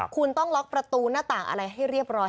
คุณต้องล็อกประตูหน้าต่างอะไรให้เรียบร้อย